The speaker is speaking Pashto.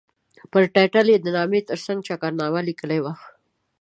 پر ټایټل یې د نامې ترڅنګ چکرنامه لیکلې وه.